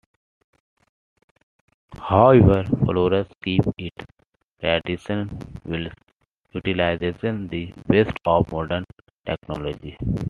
However, Flores keeps its traditions whilst utilising the best of modern technology.